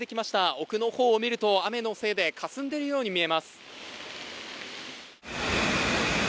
奥の方を見ると雨のせいでかすんでいるように見えます。